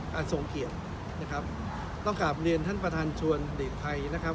ทรงเกียรตินะครับต้องกลับเรียนท่านประธานชวนเด็กไทยนะครับ